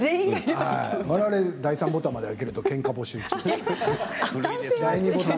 われわれ、第３ボタンまで開けると、けんか募集中。